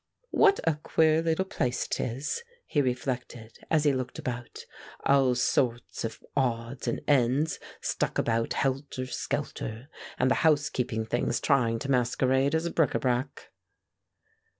"What a queer little place it is!" he reflected, as he looked about. "All sorts of odds and ends stuck about helter skelter, and the house keeping things trying to masquerade as bric à brac."